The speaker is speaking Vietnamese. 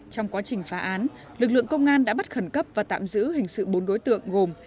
trong quá trình phá án lực lượng công an đã bắt khẩn cấp và tạm giữ hình sự bốn đối tượng gồm